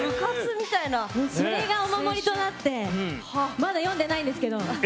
それがお守りとなってまだ読んでないんですけど。